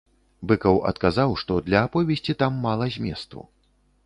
Быкаў адказаў, што для аповесці там мала зместу.